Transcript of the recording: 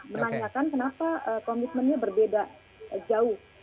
menanyakan kenapa komitmennya berbeda jauh